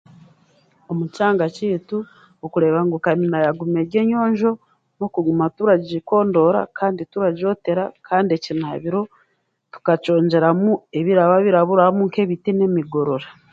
Omu kyanga kyaitu okureeba ngu kamina yaaguma eri enyonjo n'okuguma turagikondora kandi turagyotera kandi ekinaabiro tukakyongyeramu ebiraba biraburaburamu nk'emiti n'emigorora.